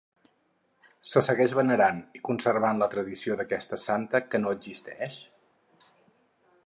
Se segueix venerant i conservant la tradició d'aquesta santa que no existeix?